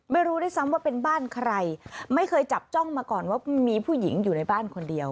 ไม่รู้ด้วยซ้ำว่าเป็นบ้านใครไม่เคยจับจ้องมาก่อนว่ามีผู้หญิงอยู่ในบ้านคนเดียว